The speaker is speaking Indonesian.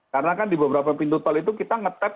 karena kan di beberapa pintu tol itu kita nge tap